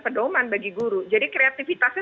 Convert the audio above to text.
pendoman bagi guru jadi kreatifitasnya